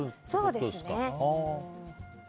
そうですね。